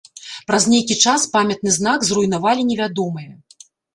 Праз нейкі час памятны знак зруйнавалі невядомыя.